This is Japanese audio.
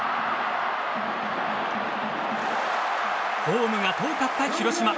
ホームが遠かった広島。